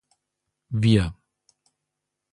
Wir